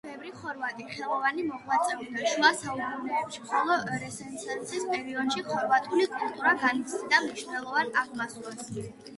ბევრი ხორვატი ხელოვანი მოღვაწეობდა შუა საუკუნეებში, ხოლო რენესანსის პერიოდში ხორვატული კულტურა განიცდიდა მნიშნელოვან აღმასვლას.